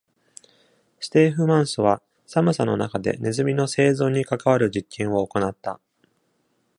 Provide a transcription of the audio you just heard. ステーフマンスは、寒さの中でネズミの生存に関わる実験を行った。